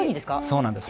そうなんです。